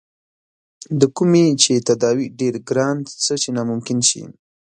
د کومې چې تداوے ډېر ګران څۀ چې ناممکن شي